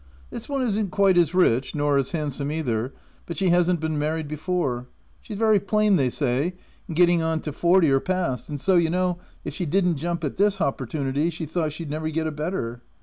This one isn't quite as rich — nor as handsome either, but she has'nt been married before. She's very plain they say, and getting OF WILDFELL HALL. 297 on to forty or past, and so, you know, if she did'nt jump at this hopportunity, she thought she'd never get a better.